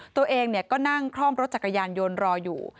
ตัวเองก็นั่งคล่อมรถจักรยานยนต์รออยู่